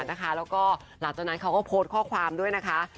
แล้วก็หลังจากนั้นเขาก็โพสต์ข้อความด้วยนะคะ